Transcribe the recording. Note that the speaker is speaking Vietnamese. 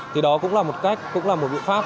thì đó cũng là một cách cũng là một biện pháp